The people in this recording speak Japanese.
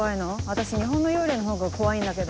私日本の幽霊のほうが怖いんだけど。